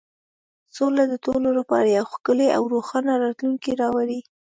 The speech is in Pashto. سوله د ټولو لپاره یو ښکلی او روښانه راتلونکی راوړي.